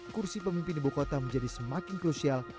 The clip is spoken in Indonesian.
kursi pemimpin ibu kota menjadi semakin krusial